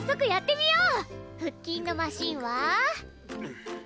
腹筋のマシンは。